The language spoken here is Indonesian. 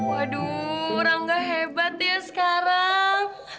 waduh rangga hebat ya sekarang